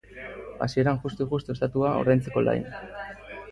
Hasieran, justu-justu ostatua ordaintzeko lain.